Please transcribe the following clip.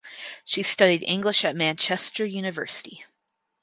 She studied English at Manchester University.